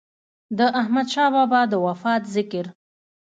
د احمد شاه بابا د وفات ذکر